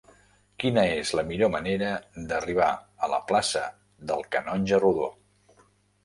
Quina és la millor manera d'arribar a la plaça del Canonge Rodó?